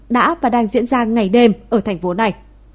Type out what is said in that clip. đã và đang diễn ra ngày đêm ở thành phố này